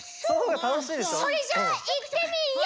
それじゃあいってみＹｏ！